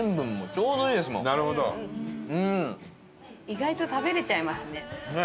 意外と食べれちゃいますね。